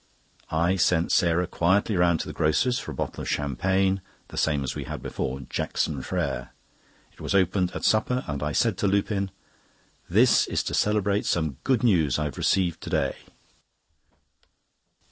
I sent Sarah quietly round to the grocer's for a bottle of champagne, the same as we had before, "Jackson Frères." It was opened at supper, and I said to Lupin: "This is to celebrate some good news I have received to day."